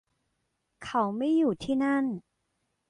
เขาไม่อยู่ที่นั่น